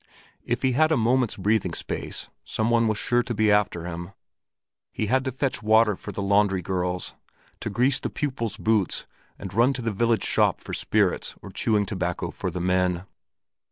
If he had a moment's breathing space, some one was sure to be after him. He had to fetch water for the laundry girls, to grease the pupil's boots and run to the village shop for spirits or chewing tobacco for the men.